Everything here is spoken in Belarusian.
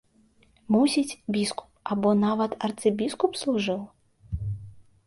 Мусіць, біскуп або нават арцыбіскуп служыў.